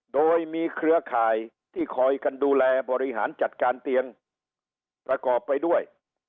โดยมีเครือข่ายที่คอยกันดูแลบริหารจัดการเตียงประกอบไปด้วย